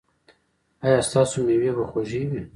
ایا ستاسو میوې به خوږې وي؟